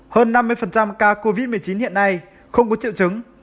hơn năm mươi ca covid một mươi chín hiện nay không có triệu chứng